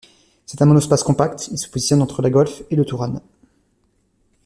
C'est un monospace compact, il se positionne entre la Golf et le Touran.